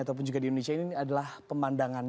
ataupun juga di indonesia ini adalah pemandangannya